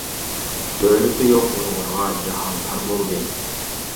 دۆلىتى يوق ئۇيغۇرغا جاھان تار بولدى !